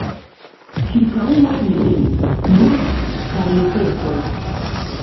Ĉirkaŭe neniu: nur karnopecoj.